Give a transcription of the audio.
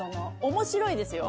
面白いですよ。